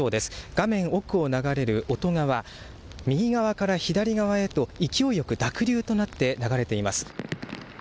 画面奥を流れる乙川右側から左側へと勢いよく濁流となって流れています。